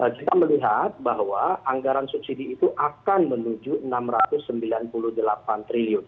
kita melihat bahwa anggaran subsidi itu akan menuju rp enam ratus sembilan puluh delapan triliun